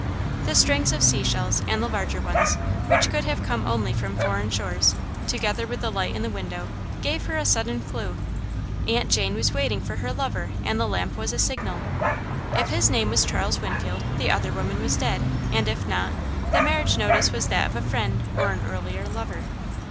The strings of sea shells, and the larger ones, which could have come only from foreign shores, together with the light in the window, gave her a sudden clew. Aunt Jane was waiting for her lover and the lamp was a signal. If his name was Charles Winfield, the other woman was dead, and if not, the marriage notice was that of a friend or an earlier lover.